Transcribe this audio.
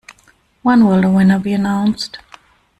When will the winner be announced?